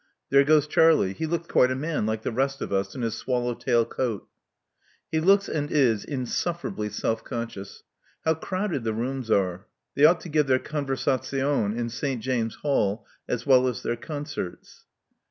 There goes Charlie. He looks quite a man, like the rest of us, in his swallow tail coat." He looks and is insufferably self conscious. How crowded the rooms are! They ought to give their conversazione in St. James's Hall as well as their concerts.